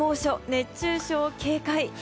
熱中症警戒。